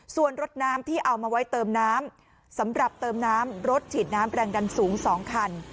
ส่วนรถน้ำที่เอามาไว้เติมน้ำสำหรับเติมน้ำรถฉีดน้ำแรงดันสูง๒คัน